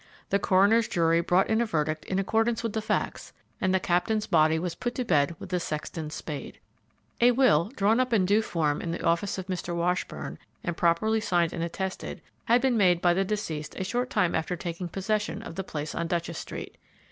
The coroner's jury brought in a verdict in accordance with the facts, and the Captain's body was put to bed with the sexton's spade. A will, drawn up in due form in the office of Mr. Washburn, and properly signed and attested, had been made by the deceased a short time after taking possession of the place on Duchess street.